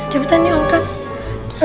cepetan yuk angkat